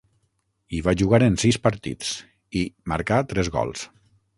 Hi va jugar en sis partits, i marcà tres gols.